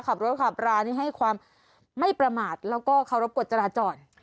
ขับรถขับรานี่ให้ความไม่ประมาทแล้วก็เคารพกฎจราจร